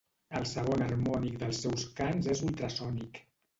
El segon harmònic dels seus cants és ultrasònic.